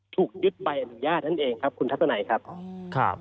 ถูกยึดใบอนุญาตนั่นเองครับคุณทัศนัยครับ